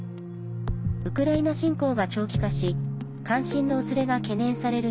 ウクライナ侵攻が長期化し関心の薄れが懸念される